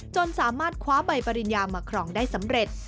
จนสามารถคว้าใบปริญญามาครองได้สำเร็จ